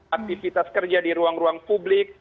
aktivitas kerja di ruang ruang publik